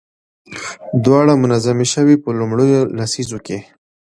دواړه منظمې شوې. په لومړيو لسيزو کې